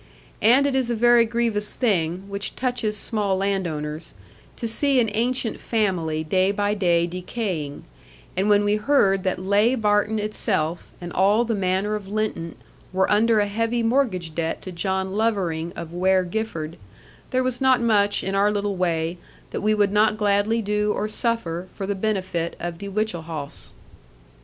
And it is a very grievous thing, which touches small landowners, to see an ancient family day by day decaying: and when we heard that Ley Barton itself, and all the Manor of Lynton were under a heavy mortgage debt to John Lovering of Weare Gifford, there was not much, in our little way, that we would not gladly do or suffer for the benefit of De Whichehalse.